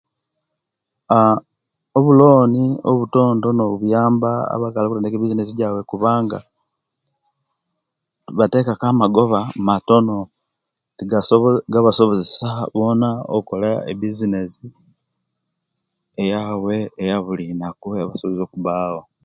Aaa obuloni obutontono buyamba abakali okuwigulawo obubizinesi jabwe kubanga batelaku amagoba matono agabasobozesiya bona okola ebizinesi eyaibwe eyabulinaku eyabulinaku etibasobola okubawo